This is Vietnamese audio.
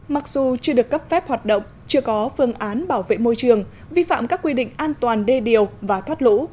mặc dù chưa được cấp phép hoạt động chưa có phương án bảo vệ môi trường vi phạm các quy định an toàn đê điều và thoát lũ